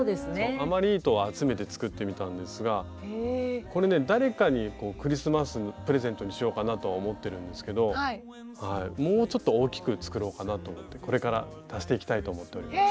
余り糸を集めて作ってみたんですがこれね誰かにクリスマスプレゼントにしようかなとは思ってるんですけどもうちょっと大きく作ろうかなと思ってこれから足していきたいと思っております。